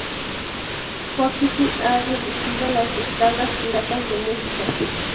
Spotify ha reducido las descargas pirata de música.